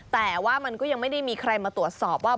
แต่ว่ามันก็ยังไม่ได้มีใครมาตรวจสอบว่า